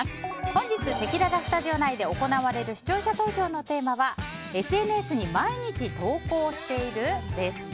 本日せきららスタジオ内で行われる視聴者投票のテーマはＳＮＳに毎日投稿している？です。